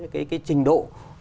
cái trình độ